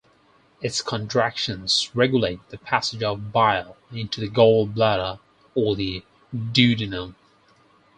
Its contractions regulate the passage of bile into the gall bladder or the duodenum.